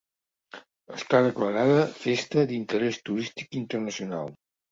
Està declarada Festa d'Interès Turístic Internacional.